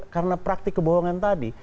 karena praktik kebohongan tadi